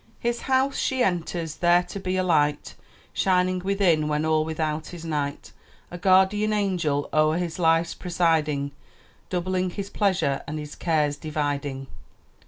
"His house she enters, there to be a light Shining within, when all without is night; A guardian angel o'er his life presiding, Doubling his pleasure, and his cares dividing."